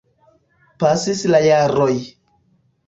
Pasis la jaroj.